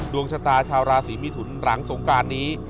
ดวงชะตาชาวราศีมิถุนหลังสงการนี้